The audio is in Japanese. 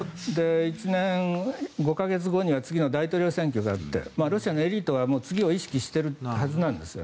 １年５か月後には次の大統領選挙もあってロシアのエリートは次を意識しているはずです。